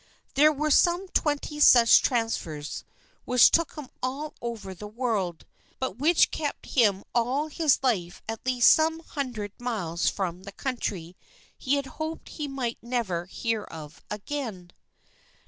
There were some twenty such transfers which took him all over the world, but which kept him all his life at least some hundred miles from the country he had hoped he might never hear of again.